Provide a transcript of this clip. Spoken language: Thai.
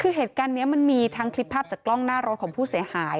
คือเหตุการณ์นี้มันมีทั้งคลิปภาพจากกล้องหน้ารถของผู้เสียหาย